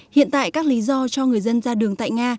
hiện tại các lý do cho người dân ra đường tại nga